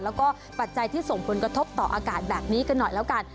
แล้วก็ปัจจัยที่ส่งผลกระทบต่ออากาศแบบนี้กันหน่อยแล้วกัน